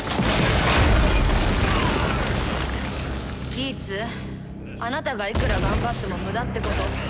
ギーツあなたがいくら頑張っても無駄ってこと。